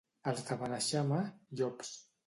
Els de Beneixama, llops.